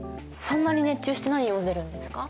そんなに熱中して何読んでるんですか？